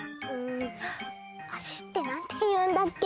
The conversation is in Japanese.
「足」ってなんていうんだっけ？